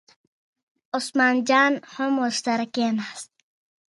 عثمان جان هم ورسره کېناست.